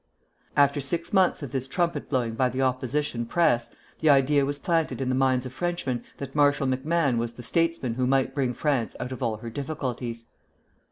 After six months of this trumpet blowing by the opposition Press, the idea was planted in the minds of Frenchmen that Marshal MacMahon was the statesman who might bring France out of all her difficulties.